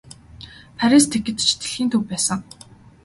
Парис тэгэхэд ч дэлхийн төв байсан.